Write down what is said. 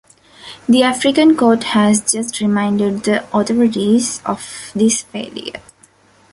The African Court has just reminded the authorities of this failure.